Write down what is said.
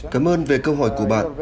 cảm ơn về câu hỏi của bạn